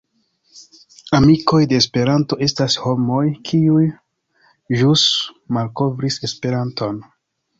Amikoj de Esperanto estas homoj, kiuj ĵus malkovris Esperanton.